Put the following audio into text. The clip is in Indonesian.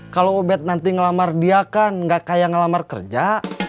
kalau obed nanti ngelamar dia kan gak kaya ngelamar kerja